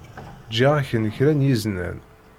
Ǧǧiɣ-ak-n kra n yiznan.